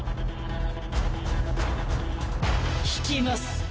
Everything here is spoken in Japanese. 退きます。